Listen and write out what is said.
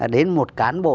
đến một cán bộ